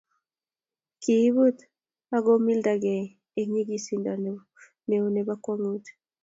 kiibut ago mildagei eng nyikisindo neo nebo kwanguut